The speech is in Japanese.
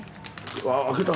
あ開けた！